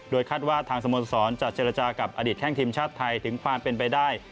คาดว่าทางสโมสรจะเจรจากับอดีตแข้งทีมชาติไทยถึงความเป็นไปได้